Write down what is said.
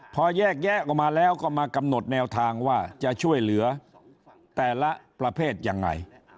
พอแยกแยะออกมาแล้วก็มากำหนดแนวทางว่าจะช่วยเหลือแต่ละประเภทยังไง